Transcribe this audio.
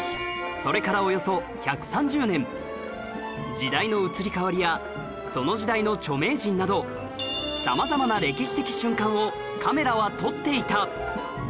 時代の移り変わりやその時代の著名人など様々な歴史的瞬間をカメラは撮っていた！